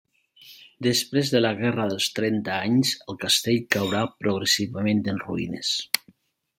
Després de la guerra dels Trenta Anys el castell caurà progressivament en ruïnes.